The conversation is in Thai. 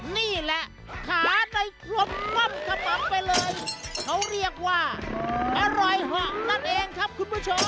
นี่แหละขาในหัวมัมขมัมไปเลยเค้าเรียกว่าอร่อยหอว์นั่นเองครับคุณผู้ชม